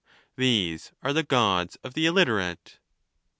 Those are the Gods of the illiterate.